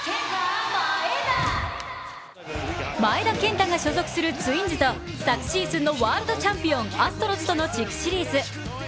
前田健太が所属するツインズと昨シーズンのワールドチャンピオン、アストロズとの地区シリーズ。